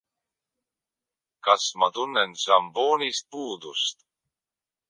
Kas ma tunnen šampoonist puudust?